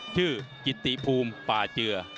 ชื่อกิติภูมิปาเจือ